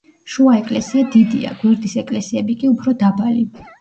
შუა ეკლესია დიდია, გვერდის ეკლესიები კი უფრო დაბალი.